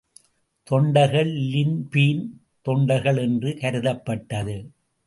தொண்டர்கள் லின்பீன் தொண்டார்கள் என்று கருதப்பட்டது.